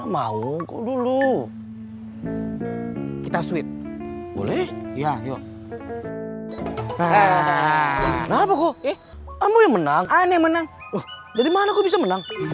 mau dulu kita suit boleh ya yuk kenapa kok ambo yang menang aneh menang dari mana bisa menang